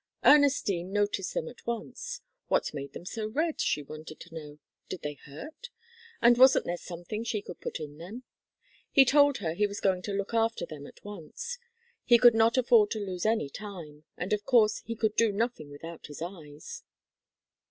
Ernestine noticed them at once. What made them so red? she wanted to know. Did they hurt? And wasn't there something he could put in them? He told her he was going to look after them at once. He could not afford to lose any time, and of course he could do nothing without his eyes.